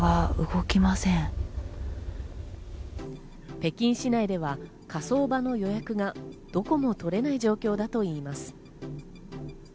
北京市内では火葬場の予約がどこも取れない状況だといいます。